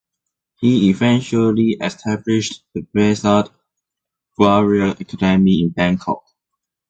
He eventually established the Behzad Warrior Academy in Bangkok.